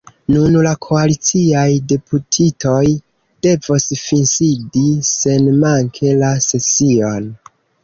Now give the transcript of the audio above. Nun la koaliciaj deputitoj devos finsidi senmanke la sesion.